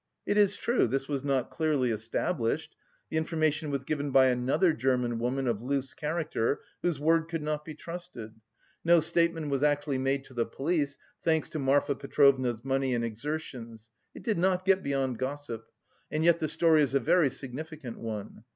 It is true, this was not clearly established, the information was given by another German woman of loose character whose word could not be trusted; no statement was actually made to the police, thanks to Marfa Petrovna's money and exertions; it did not get beyond gossip. And yet the story is a very significant one.